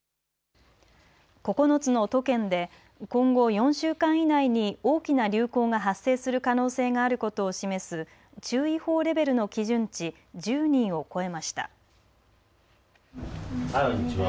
９つの都県で今後４週間以内に大きな流行が発生する可能性があることを示す注意報レベルの基準値１０人を超えました。